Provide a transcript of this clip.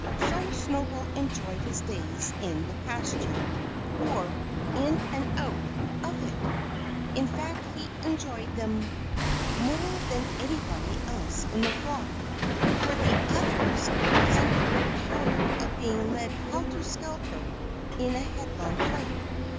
So Snowball enjoyed his days in the pasture or in and out of it. In fact he enjoyed them more than anybody else in the flock. For the others began to grow tired of being led helter skelter in a headlong flight.